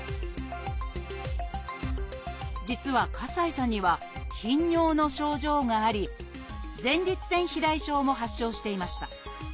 実は西さんには頻尿の症状があり前立腺肥大症も発症していました。